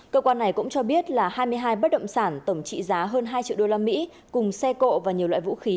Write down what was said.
cơ quan này cũng cho biết là hai mươi hai bất động sản tổng trị giá hơn hai triệu usd cùng xe cộ và nhiều loại vũ khí